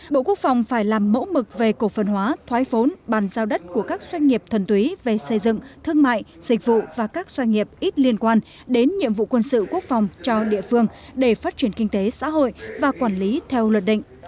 bộ quốc phòng phải làm mẫu mực về cổ phần hóa thoái phốn bàn giao đất của các doanh nghiệp thuần túy về xây dựng thương mại dịch vụ và các doanh nghiệp ít liên quan đến nhiệm vụ quân sự quốc phòng cho địa phương để phát triển kinh tế xã hội và quản lý theo luật định